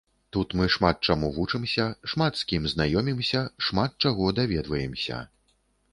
Тут мы шмат чаму вучымся, шмат з кім знаёмімся, шмат чаго даведваемся.